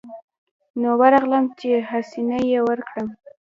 نو ورغلم چې حسنه يې ورکړم.